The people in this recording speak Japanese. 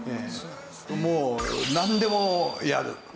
もうなんでもやる。